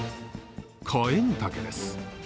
カエンタケです。